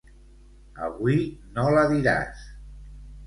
Avui no la diràs.